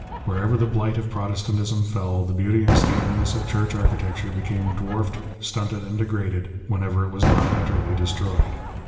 Wherever the blight of Protestantism fell, the beauty and stateliness of Church architecture became dwarfed, stunted, and degraded, whenever it was not utterly destroyed.